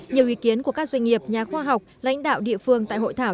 nhiều ý kiến của các doanh nghiệp nhà khoa học lãnh đạo địa phương tại hội thảo